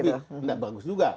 tidak bagus juga